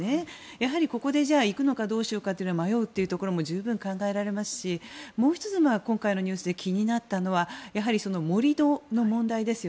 やはりここで行くのかどうしようか迷うというのも十分考えられますしもう１つ、今回のニュースで気になったのは盛り土の問題です。